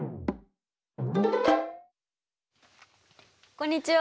こんにちは！